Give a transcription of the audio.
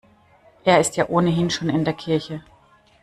Er ist ja ohnehin schon in der Kirche.